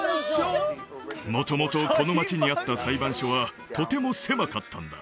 元々この街にあった裁判所はとても狭かったんだ